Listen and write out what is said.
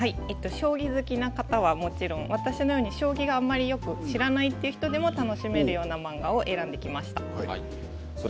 将棋好きの方はもちろん将棋をあまり知らないという人でも楽しめるような漫画を選んできました。